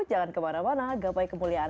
jangan kemana mana gapai kemuliaan